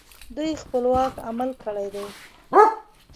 دوی خپلواک عمل کړی دی